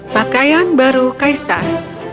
pakaian baru kaisar